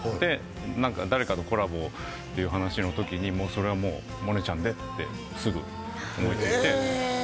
誰かとコラボという話のときに、それはもう萌音ちゃんでってすぐに思いついて。